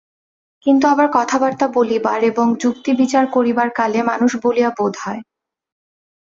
কিন্তু আবার কথাবার্তা বলিবার এবং যুক্তি-বিচার করিবার কালে মানুষ বলিয়া বোধ হয়।